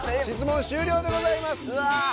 質問終了でございます！